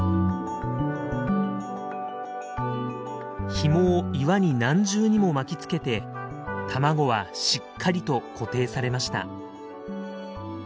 ひもを岩に何重にも巻きつけて卵はしっかりと固定されました。